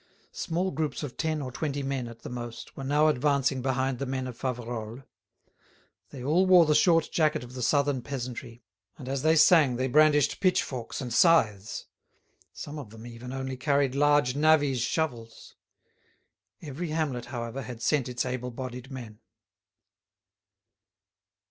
Small groups of ten or twenty men at the most were now advancing behind the men of Faverolles. They all wore the short jacket of the Southern peasantry, and as they sang they brandished pitchforks and scythes. Some of them even only carried large navvies' shovels. Every hamlet, however, had sent its able bodied men.